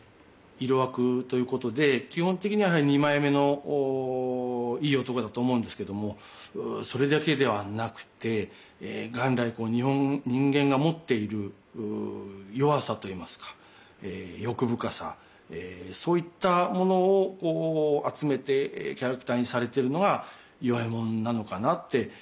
色悪ということで基本的にはやはり二枚目のいい男だと思うんですけどもそれだけではなくて元来人間が持っている弱さといいますか欲深さそういったものをこう集めてキャラクターにされてるのが与右衛門なのかなって思います。